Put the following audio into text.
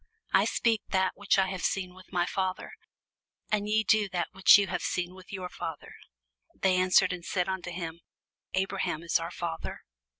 I speak that which I have seen with my Father: and ye do that which ye have seen with your father. They answered and said unto him, Abraham is our father.